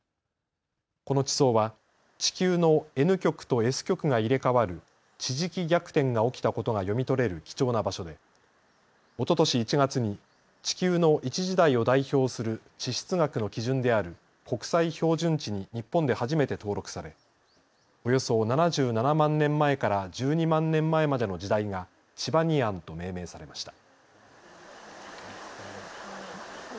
この地層は地球のＮ極とＳ極が入れ代わる地磁気逆転が起きたことが読み取れる貴重な場所でおととし１月に地球の一時代を代表する地質学の基準である国際標準地に日本で初めて登録されおよそ７７万年前から１２万年前までの時代がチバニアンと命名されました。